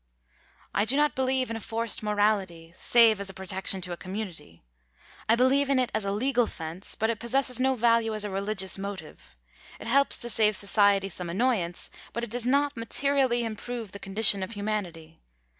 I do not believe in a forced morality, save as a protection to a community. I believe in it as a legal fence, but it possesses no value as a religious motive. It helps to save society some annoyance, but it does not materially improve the condition of humanity.